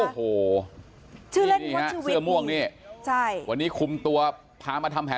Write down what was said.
โอ้โหชื่อเล่นคนชีวิตชื่อม่วงนี่ใช่วันนี้คุมตัวพามาทำแห่ง